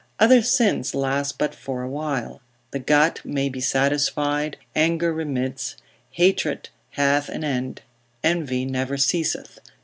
Other sins last but for awhile; the gut may be satisfied, anger remits, hatred hath an end, envy never ceaseth.